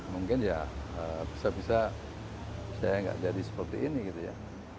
mungkin ya bisa bisa saya nggak jadi seperti ini gitu ya